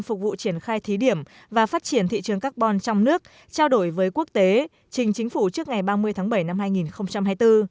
phục vụ triển khai thí điểm và phát triển thị trường carbon trong nước trao đổi với quốc tế trình chính phủ trước ngày ba mươi tháng bảy năm hai nghìn hai mươi bốn